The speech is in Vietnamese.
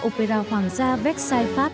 opera hoàng gia vecchiai pháp